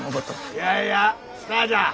いやいやスターじゃ！